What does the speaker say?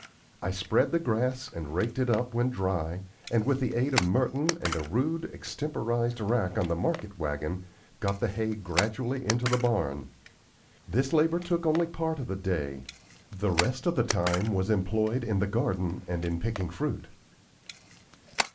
I spread the grass and raked it up when dry, and, with the aid of Merton and a rude, extemporized rack on the market wagon, got the hay gradually into the barn. This labor took only part of the day; the rest of the time was employed in the garden and in picking fruit.